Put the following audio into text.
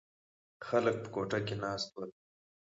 خلک په کوټه کې ناست ول.